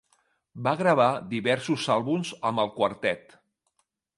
Va gravar diversos àlbums amb el quartet.